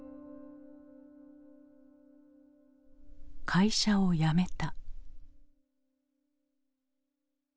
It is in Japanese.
会社を辞めた。